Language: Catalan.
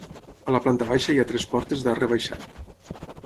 A la planta baixa hi ha tres portes d'arc rebaixat.